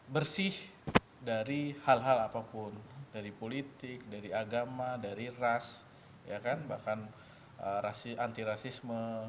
bersih dari hal hal apapun dari politik dari agama dari ras bahkan anti rasisme